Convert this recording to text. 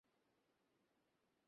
একজন আহত অফিসার রয়েছেন গাড়িতে।